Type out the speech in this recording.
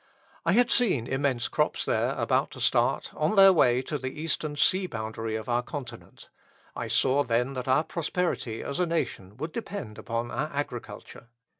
I had seen immense crops there about to start on their way to the Eastern sea boundary of our continent. I saw then that our prosperity as a nation would depend upon our agriculture.